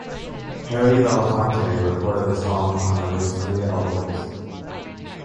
Harry Belafonte recorded the song on at least three albums.